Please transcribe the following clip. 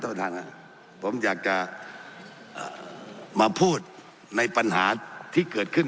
ท่านประธานครับผมอยากจะมาพูดในปัญหาที่เกิดขึ้น